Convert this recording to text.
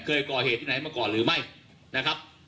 เคยก่อเหตุที่ไหนมาก่อนหรือไม่นะครับ